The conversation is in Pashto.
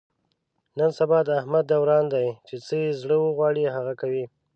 نن سبا د احمد دوران دی، چې څه یې زړه و غواړي هغه کوي.